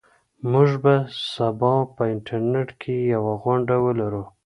موږ به سبا په انټرنيټ کې یوه غونډه ولرو.